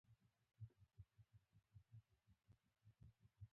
د واک دوام دا حیرانوونکی بدلون راوستی.